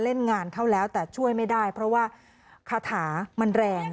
เล่นงานเข้าแล้วแต่ช่วยไม่ได้เพราะว่าคาถามันแรง